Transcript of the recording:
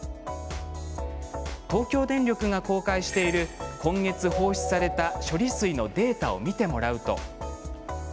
東京電力が公開している今月、放出された処理水のデータを見てもらうと。